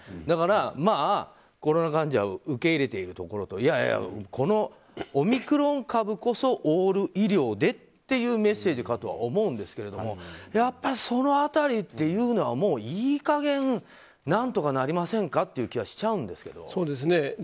だから、コロナ患者を受け入れているところといやいや、このオミクロン株こそオール医療でというメッセージかとは思うんですけどやっぱり、その辺りっていうのはもういい加減何とかなりませんかっていう気はしちゃうんですけど。